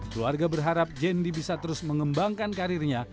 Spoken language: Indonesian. keluarga berharap jendi bisa terus mengembangkan karirnya